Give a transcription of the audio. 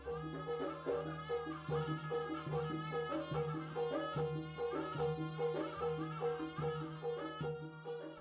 tidak ada masalah